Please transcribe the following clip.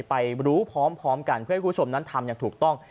ไปรู้พร้อมกันเพื่อให้คุณผู้ชมนั้นทำอย่างถูกต้อง